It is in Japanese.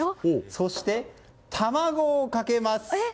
そして、卵をかけます。